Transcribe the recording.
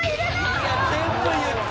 全部言った！